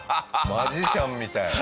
マジシャンみたい。